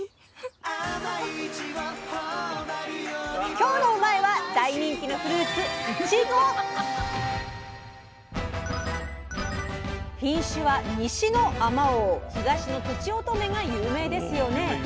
今日の「うまいッ！」は大人気のフルーツ品種は西のあまおう東のとちおとめが有名ですよね。